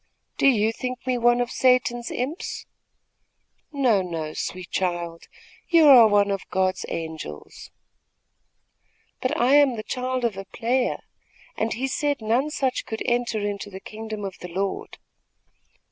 Do you think me one of Satan's imps?" "No, no, sweet child; you are one of God's angels." "But I am the child of a player, and he said none such could enter into the kingdom of the Lord."